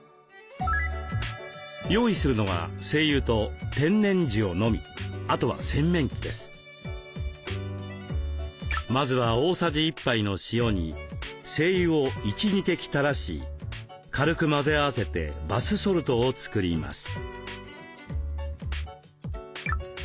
用意するのはまずは大さじ１杯の塩に精油を１２滴たらし軽く混ぜ合わせてバスソルトを作ります。